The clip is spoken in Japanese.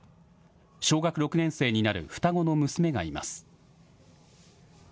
小学６年生になる双子の娘がいます。